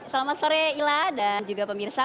selamat sore ila dan juga pemirsa